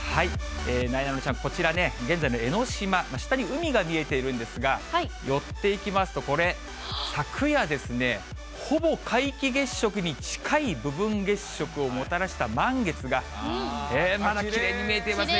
なえなのちゃん、こちら、現在の江の島、下に海が見えているんですが、寄っていきますとこれ、昨夜ですね、ほぼ皆既月食に近い部分月食をもたらした満月が、きれいですね。